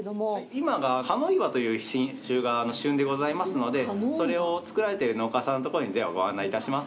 今が加納岩という品種が旬でございますのでそれを作られている農家さんのところにでは、ご案内いたします。